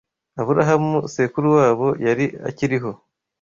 Aburahamu, sekuru wabo, yari akiriho